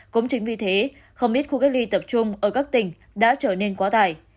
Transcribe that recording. cũng chính vì thế không ít khu cách ly tập trung ở các tỉnh đã trở nên quá tải